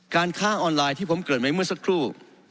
การค้าออนไลน์ที่ผมเกิดไว้เมื่อสักครู่